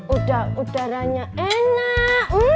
udah udaranya enak